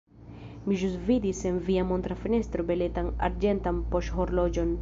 Mi ĵus vidis en via montra fenestro beletan arĝentan poŝhorloĝon.